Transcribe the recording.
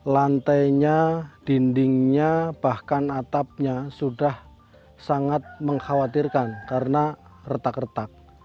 lantainya dindingnya bahkan atapnya sudah sangat mengkhawatirkan karena retak retak